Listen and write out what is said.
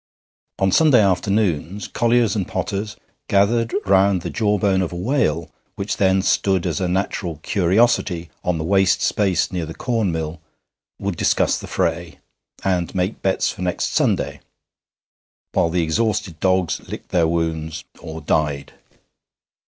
On Sunday afternoons colliers and potters, gathered round the jawbone of a whale which then stood as a natural curiosity on the waste space near the corn mill, would discuss the fray, and make bets for next Sunday, while the exhausted dogs licked their wounds, or died.